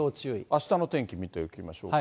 あしたの天気見ておきましょうか。